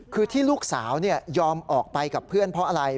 คือที่ลูกสาวยอมออกไปกับเพื่อนเพราะอะไร